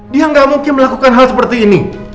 dia nggak mungkin melakukan hal seperti ini